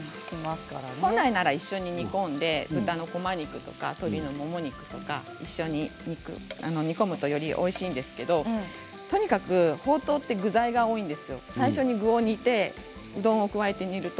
本来なら一緒に煮込んで豚こま肉と鶏もも肉と一緒に煮込むとよりおいしいんですけれどとにかくほうとうは具材が多いです。